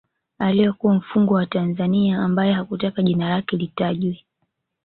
Aliyekuwa mfungwa wa Tanzania ambaye hakutaka jina lake litajwe